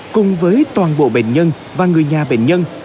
cùng với toàn bộ bệnh nhân và người nhà bệnh nhân